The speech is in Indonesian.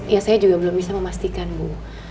ya saya juga belum bisa memastikan bu